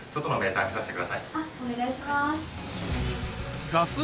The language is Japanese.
あっお願いします。